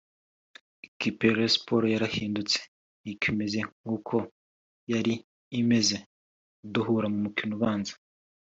Ikipe ya Rayon Sports yarahindutse ntikimeze nk’uko yari imeze duhura mu mukino ubanza